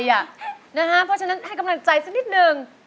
เพราะฉะนั้นให้กำลังใจสักนิดนึง